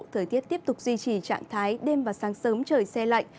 thời tiết tiếp tục duy trì trạng thái đêm và sáng sớm trời xe lạnh